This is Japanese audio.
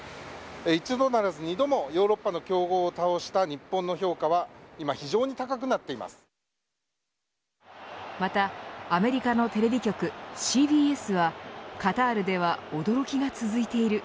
一度ならず二度もヨーロッパの強豪を倒した日本の評価はまたアメリカのテレビ局ＣＢＳはカタールでは驚きが続いている。